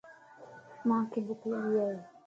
مانک ڀک لڳي ائي